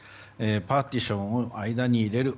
パーティションを間に入れる。